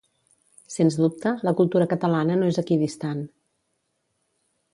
Sens dubte, la cultura catalana no és equidistant.